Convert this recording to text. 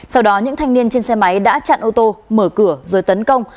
sau đó những thanh niên trên xe máy đã chặn ô tô mở cửa rồi tấn công